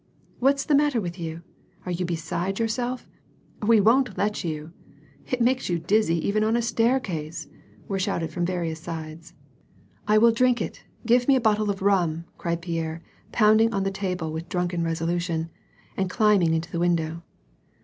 "What is the matter with you?" "Are you beside your self ?"" We won't let you !"" It makes you dizzy even on a staircase," were shouted from various sides. " I will drink it ; give me a bottle of rum," cried Pierre, pounding on the table with drunken resolution, and climbing into the window.